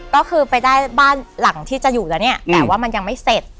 ก็คือไปได้บ้านหลังที่จะอยู่แล้วเนี่ยแต่ว่ามันยังไม่เสร็จ